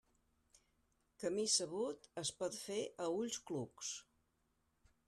Camí sabut es pot fer a ulls clucs.